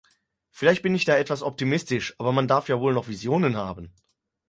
Vielleicht bin ich da etwas optimistisch, aber man darf ja wohl noch Visionen haben!